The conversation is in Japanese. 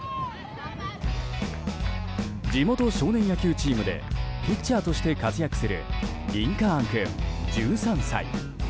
地元少年野球チームでピッチャーとして活躍するリンカーン君、１３歳。